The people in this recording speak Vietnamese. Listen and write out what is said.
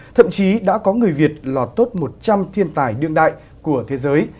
thậm chí đã có người việt lọt top một trăm linh thiên tài đương đại của thế giới